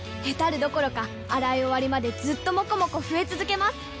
ヘタるどころか洗い終わりまでずっともこもこ増え続けます！